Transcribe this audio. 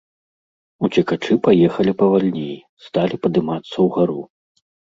Уцекачы паехалі павальней, сталі падымацца ўгару.